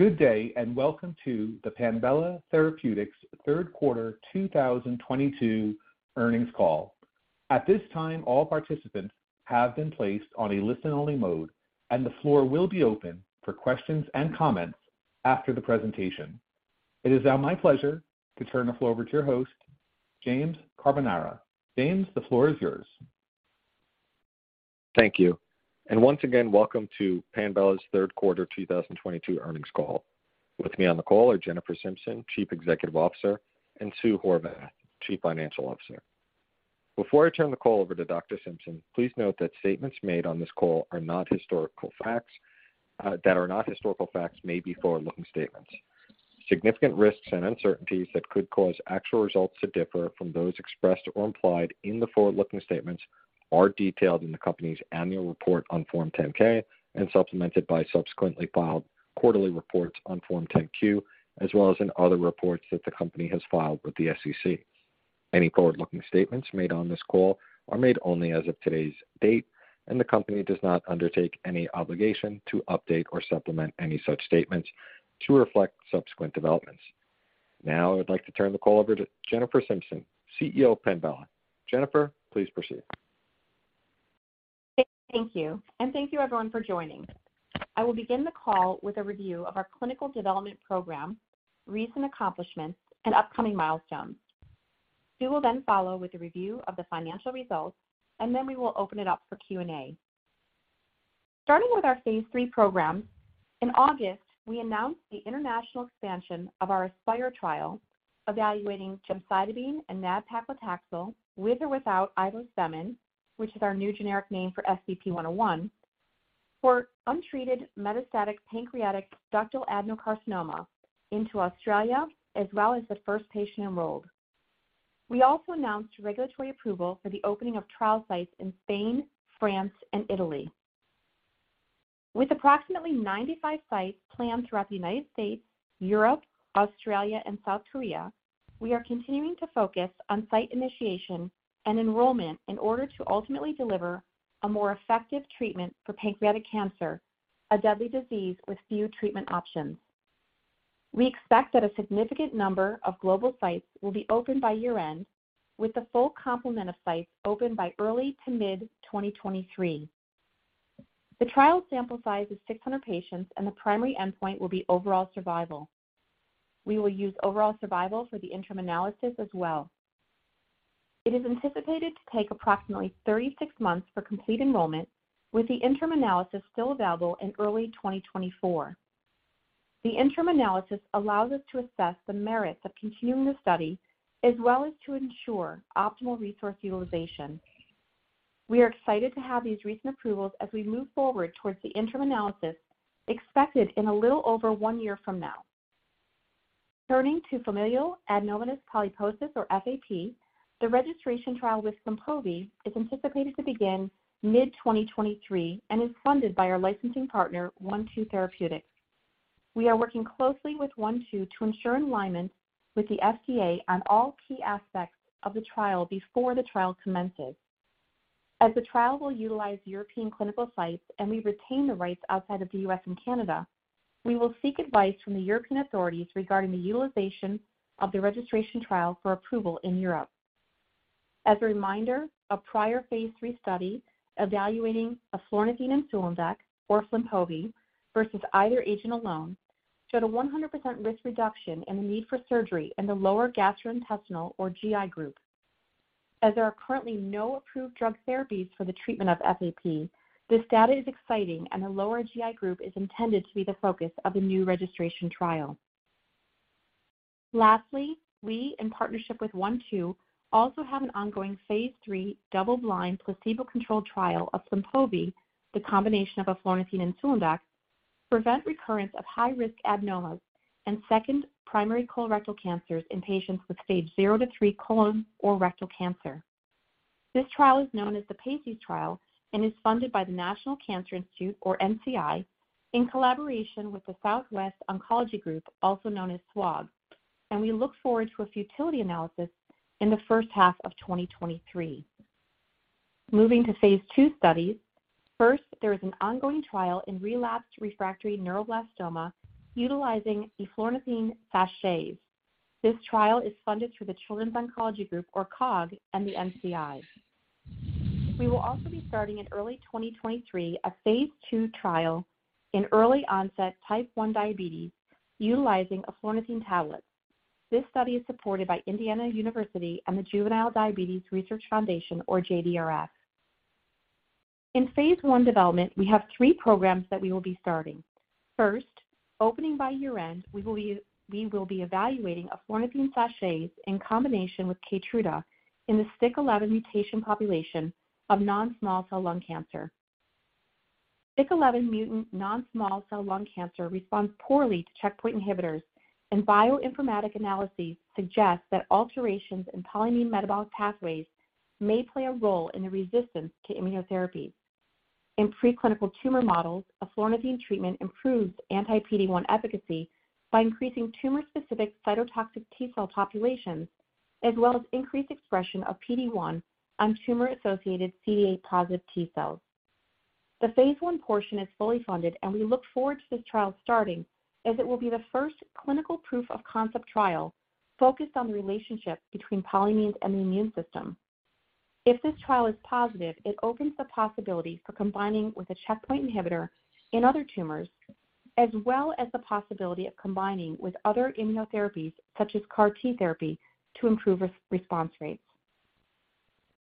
Good day, and welcome to the Panbela Therapeutics third quarter 2022 earnings call. At this time, all participants have been placed on a listen-only mode, and the floor will be open for questions and comments after the presentation. It is now my pleasure to turn the floor over to your host, James Carbonara. James, the floor is yours. Thank you. Once again, welcome to Panbela's third quarter 2022 earnings call. With me on the call are Jennifer Simpson, Chief Executive Officer, and Susan Horvath, Chief Financial Officer. Before I turn the call over to Dr. Simpson, please note that statements made on this call are not historical facts may be forward-looking statements. Significant risks and uncertainties that could cause actual results to differ from those expressed or implied in the forward-looking statements are detailed in the company's annual report on Form 10-K and supplemented by subsequently filed quarterly reports on Form 10-Q, as well as in other reports that the company has filed with the SEC. Any forward-looking statements made on this call are made only as of today's date, and the company does not undertake any obligation to update or supplement any such statements to reflect subsequent developments. Now, I would like to turn the call over to Jennifer Simpson, CEO of Panbela Therapeutics. Jennifer, please proceed. Thank you. Thank you everyone for joining. I will begin the call with a review of our clinical development program, recent accomplishments, and upcoming milestones. Sue will then follow with a review of the financial results, and then we will open it up for Q and A. Starting with our phase III program, in August, we announced the international expansion of our ASPIRE trial evaluating gemcitabine and nab-paclitaxel with or without ivospemin, which is our new generic name for SBP-101, for untreated metastatic pancreatic ductal adenocarcinoma into Australia, as well as the first patient enrolled. We also announced regulatory approval for the opening of trial sites in Spain, France, and Italy. With approximately 95 sites planned throughout the United States, Europe, Australia, and South Korea, we are continuing to focus on site initiation and enrollment in order to ultimately deliver a more effective treatment for pancreatic cancer, a deadly disease with few treatment options. We expect that a significant number of global sites will be opened by year-end, with the full complement of sites opened by early to mid-2023. The trial sample size is 600 patients, and the primary endpoint will be overall survival. We will use overall survival for the interim analysis as well. It is anticipated to take approximately 36 months for complete enrollment, with the interim analysis still available in early 2024. The interim analysis allows us to assess the merits of continuing the study as well as to ensure optimal resource utilization. We are excited to have these recent approvals as we move forward towards the interim analysis expected in a little over one year from now. Turning to familial adenomatous polyposis or FAP, the registration trial with Flynpovi is anticipated to begin mid-2023 and is funded by our licensing partner-One-Two Therapeutics. We are working closely with One-Two Therapeutics to ensure alignment with the FDA on all key aspects of the trial before the trial commences. As the trial will utilize European clinical sites and we retain the rights outside of the U.S. and Canada, we will seek advice from the European authorities regarding the utilization of the registration trial for approval in Europe. As a reminder, a prior phase III study evaluating eflornithine/sulindac or Flynpovi versus either agent alone showed a 100% risk reduction in the need for surgery in the lower gastrointestinal or GI group. As there are currently no approved drug therapies for the treatment of FAP, this data is exciting, and the lower GI group is intended to be the focus of the new registration trial. Lastly, we, in partnership with One-Two Therapeutics, also have an ongoing phase III double-blind placebo-controlled trial of Flynpovi, the combination of eflornithine and sulindac, to prevent recurrence of high-risk adenomas and second primary colorectal cancers in patients with stage 0 to 3 colon or rectal cancer. This trial is known as the PACES trial and is funded by the National Cancer Institute or NCI in collaboration with the Southwest Oncology Group, also known as SWOG, and we look forward to a futility analysis in the first half of 2023. Moving to phase II studies, first, there is an ongoing trial in relapsed refractory neuroblastoma utilizing eflornithine sachets. This trial is funded through the Children's Oncology Group or COG and the NCI. We will also be starting in early 2023 a phase II trial in early-onset type 1 diabetes utilizing eflornithine tablets. This study is supported by Indiana University and the Juvenile Diabetes Research Foundation or JDRF. In phase 1 development, we have three programs that we will be starting. First, opening by year-end, we will be evaluating ivospemin sachets in combination with Keytruda in the STK11 mutation population of non-small cell lung cancer. STK11 mutant non-small cell lung cancer responds poorly to checkpoint inhibitors, and bioinformatic analyses suggest that alterations in polyamine metabolic pathways may play a role in the resistance to immunotherapy. In preclinical tumor models, ivospemin treatment improves anti-PD-1 efficacy by increasing tumor-specific cytotoxic T cell populations as well as increased expression of PD-1 on tumor-associated CD8+ T cells. The phase I portion is fully funded, and we look forward to this trial starting as it will be the first clinical proof of concept trial focused on the relationship between polyamines and the immune system. If this trial is positive, it opens the possibility for combining with a checkpoint inhibitor in other tumors, as well as the possibility of combining with other immunotherapies such as CAR T therapy to improve response rates.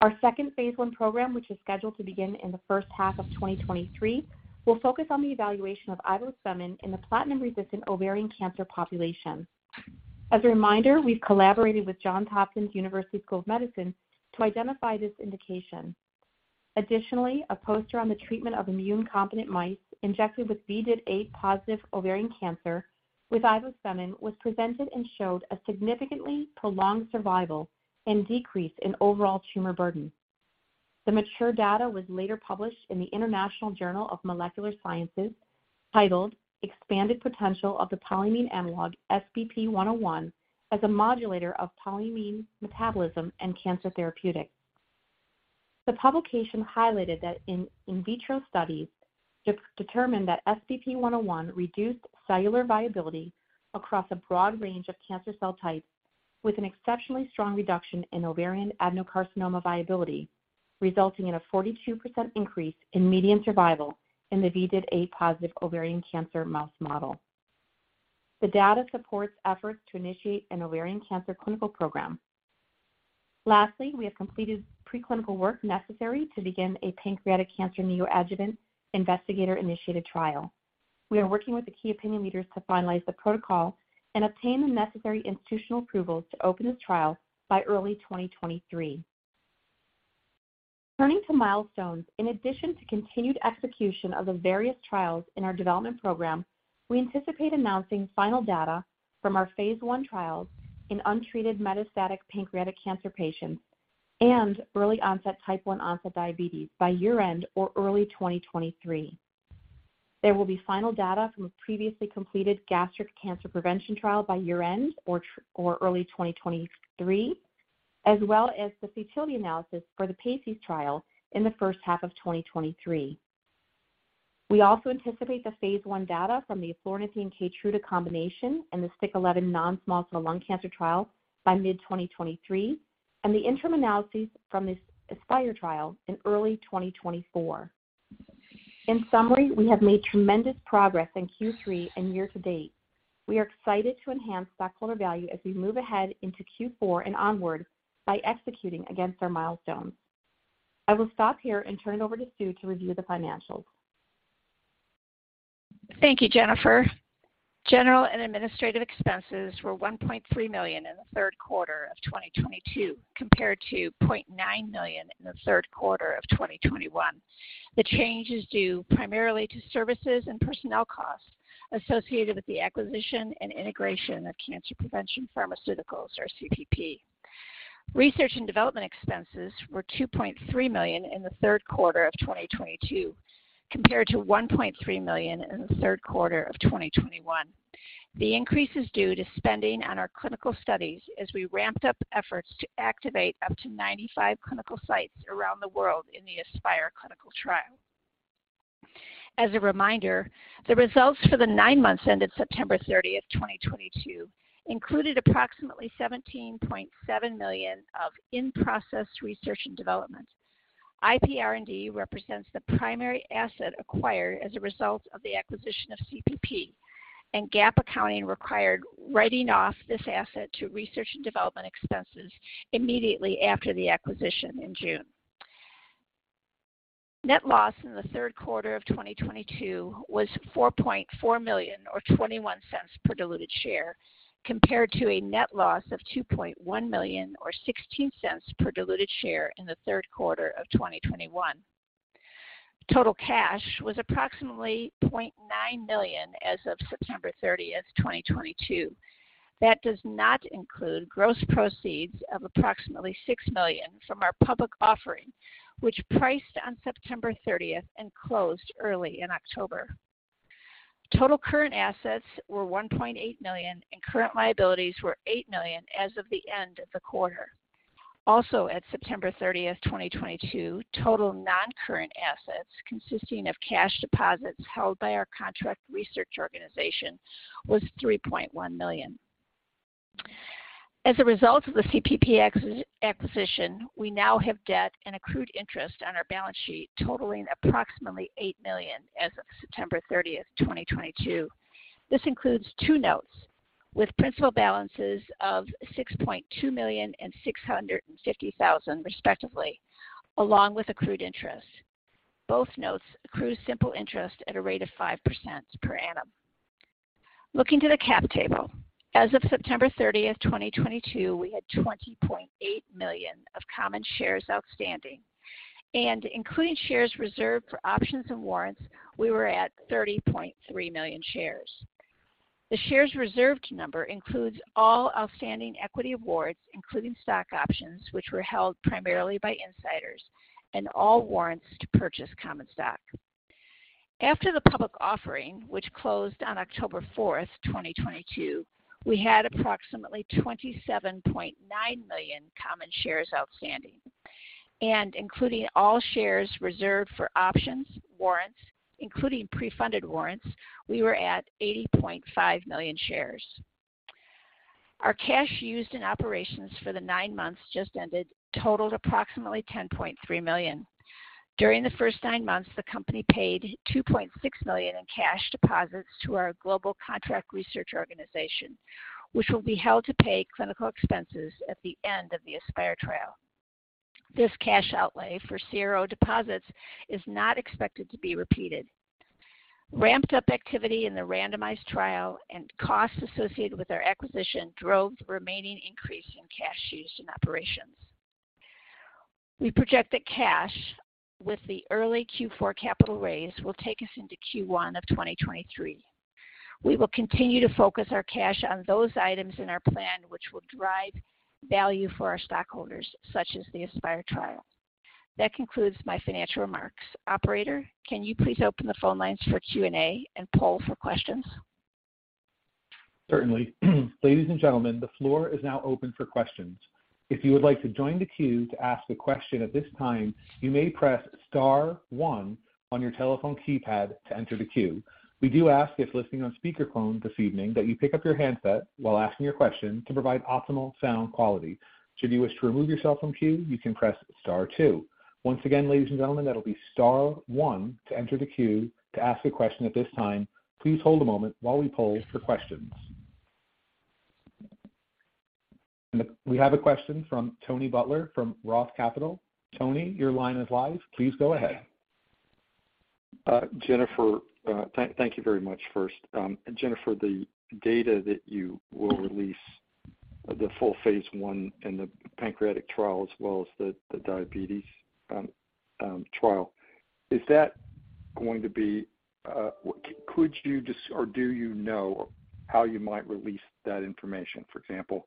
Our second phase I program, which is scheduled to begin in the first half of 2023, will focus on the evaluation of ivospemin in the platinum-resistant ovarian cancer population. As a reminder, we've collaborated with Johns Hopkins University School of Medicine to identify this indication. Additionally, a poster on the treatment of immunocompetent mice injected with ID8-positive ovarian cancer with ivospemin was presented and showed a significantly prolonged survival and decrease in overall tumor burden. The mature data was later published in the International Journal of Molecular Sciences, titled Expanded Potential of the Polyamine Analog SBP-101 as a Modulator of Polyamine Metabolism and Cancer Therapeutics. The publication highlighted that in vitro studies determined that SBP-101 reduced cellular viability across a broad range of cancer cell types with an exceptionally strong reduction in ovarian adenocarcinoma viability, resulting in a 42% increase in median survival in the VDA-positive ovarian cancer mouse model. The data supports efforts to initiate an ovarian cancer clinical program. Lastly, we have completed preclinical work necessary to begin a pancreatic cancer neoadjuvant investigator-initiated trial. We are working with the key opinion leaders to finalize the protocol and obtain the necessary institutional approvals to open this trial by early 2023. Turning to milestones, in addition to continued execution of the various trials in our development program, we anticipate announcing final data from our phase 1 trials in untreated metastatic pancreatic cancer patients and early onset type 1 diabetes by year-end or early 2023. There will be final data from a previously completed gastric cancer prevention trial by year-end or early 2023, as well as the fertility analysis for the PACES trial in the first half of 2023. We also anticipate the phase one data from the fluorouracil Keytruda combination and the STK11 non-small cell lung cancer trial by mid-2023, and the interim analyses from this ASPIRE trial in early 2024. In summary, we have made tremendous progress in Q3 and year to date. We are excited to enhance stockholder value as we move ahead into Q4 and onward by executing against our milestones. I will stop here and turn it over to Sue to review the financials. Thank you, Jennifer. General and administrative expenses were $1.3 million in the third quarter of 2022 compared to $0.9 million in the third quarter of 2021. The change is due primarily to services and personnel costs associated with the acquisition and integration of Cancer Prevention Pharmaceuticals or CPP. Research and development expenses were $2.3 million in the third quarter of 2022 compared to $1.3 million in the third quarter of 2021. The increase is due to spending on our clinical studies as we ramped up efforts to activate up to 95 clinical sites around the world in the ASPIRE clinical trial. As a reminder, the results for the nine months ended September 30th, 2022 included approximately $17.7 million of in-process research and development. IP R&D represents the primary asset acquired as a result of the acquisition of CPP, and GAAP accounting required writing off this asset to research and development expenses immediately after the acquisition in June. Net loss in the third quarter of 2022 was $4.4 million or $0.21 per diluted share, compared to a net loss of $2.1 million or $0.16 per diluted share in the third quarter of 2021. Total cash was approximately $0.9 million as of September 30th, 2022. That does not include gross proceeds of approximately $6 million from our public offering, which priced on September 30th and closed early in October. Total current assets were $1.8 million, and current liabilities were $8 million as of the end of the quarter. As of September 30th, 2022, total non-current assets consisting of cash deposits held by our contract research organization was $3.1 million. As a result of the CPP acquisition, we now have debt and accrued interest on our balance sheet totaling approximately $8 million as of September 30th, 2022. This includes two notes with principal balances of $6.2 million and $650,000 respectively, along with accrued interest. Both notes accrue simple interest at a rate of 5% per annum. Looking to the cap table. As of September 30th, 2022, we had 20.8 million common shares outstanding. Including shares reserved for options and warrants, we were at 30.3 million shares. The shares reserved number includes all outstanding equity awards, including stock options, which were held primarily by insiders, and all warrants to purchase common stock. After the public offering, which closed on October 4th, 2022, we had approximately 27.9 million common shares outstanding. Including all shares reserved for options, warrants, including pre-funded warrants, we were at 80.5 million shares. Our cash used in operations for the nine months just ended totaled approximately $10.3 million. During the first nine months, the company paid $2.6 million in cash deposits to our global contract research organization, which will be held to pay clinical expenses at the end of the ASPIRE trial. This cash outlay for CRO deposits is not expected to be repeated. Ramped up activity in the randomized trial and costs associated with our acquisition drove the remaining increase in cash use in operations. We project that cash with the early Q4 capital raise will take us into Q1 of 2023. We will continue to focus our cash on those items in our plan which will drive value for our stockholders, such as the ASPIRE trial. That concludes my financial remarks. Operator, can you please open the phone lines for Q and A and poll for questions? Certainly. Ladies and gentlemen, the floor is now open for questions. If you would like to join the queue to ask a question at this time, you may press star one on your telephone keypad to enter the queue. We do ask, if listening on speaker phone this evening, that you pick up your handset while asking your question to provide optimal sound quality. Should you wish to remove yourself from queue, you can press star two. Once again, ladies and gentlemen, that'll be star one to enter the queue to ask a question at this time. Please hold a moment while we poll for questions. We have a question from Tony Butler from ROTH Capital Partners. Tony, your line is live. Please go ahead. Jennifer, thank you very much first. Jennifer, the data that you will release, the full phase 1 and the pancreatic trial, as well as the diabetes trial, is that going to be, could you just or do you know how you might release that information? For example,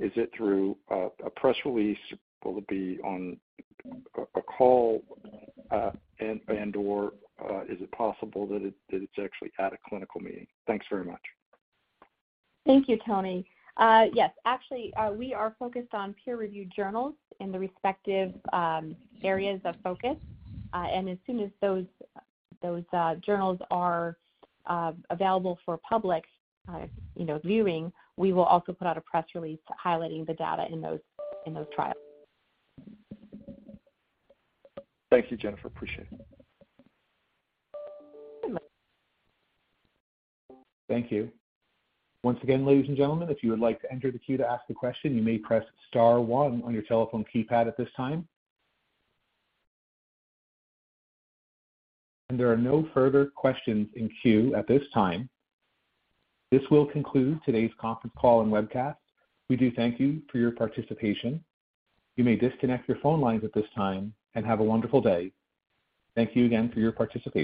is it through a press release? Will it be on a call, and/or is it possible that it's actually at a clinical meeting? Thanks very much. Thank you, Tony. Actually, we are focused on peer-reviewed journals in the respective areas of focus. As soon as those journals are available for public, you know, viewing, we will also put out a press release highlighting the data in those trials. Thank you, Jennifer. Appreciate it. Thank you. Once again, ladies and gentlemen, if you would like to enter the queue to ask a question, you may press star one on your telephone keypad at this time. There are no further questions in queue at this time. This will conclude today's conference call and webcast. We do thank you for your participation. You may disconnect your phone lines at this time, and have a wonderful day. Thank you again for your participation.